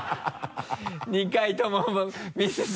２回ともミスって。